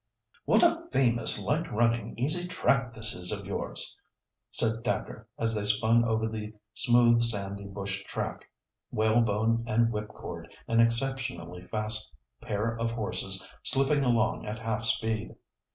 "What a famous, light running, easy trap this is of yours!" said Dacre, as they spun over the smooth, sandy bush track, Whalebone and Whipcord, an exceptionally fast pair of horses, slipping along at half speed.